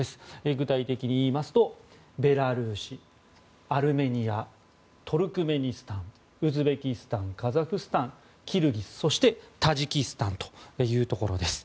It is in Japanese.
具体的に言いますとベラルーシ、アルメニアトルクメニスタンウズベキスタン、カザフスタンキルギス、そしてタジキスタンというところです。